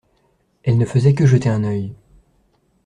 Elle ne faisait que jeter un œil.